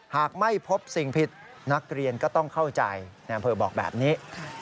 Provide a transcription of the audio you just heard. หากไม่พบสิ่งผิดนักเรียนก็ต้องเข้าใจในอำเภอบอกแบบนี้